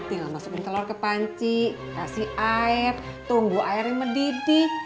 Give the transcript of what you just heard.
tinggal masukin telur ke panci kasih air tunggu airnya mendidih